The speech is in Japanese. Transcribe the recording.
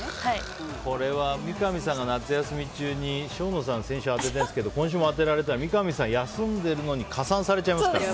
これは三上さんが夏休み中に生野さん先週当ててるんですけど今週も当てられたら三上さん休んでるのに加算されちゃいますから。